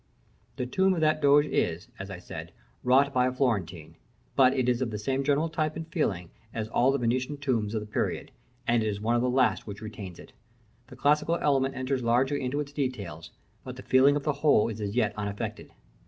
The tomb of that doge is, as I said, wrought by a Florentine; but it is of the same general type and feeling as all the Venetian tombs of the period, and it is one of the last which retains it. The classical element enters largely into its details, but the feeling of the whole is as yet unaffected.